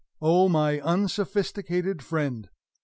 O my unsophisticated friend!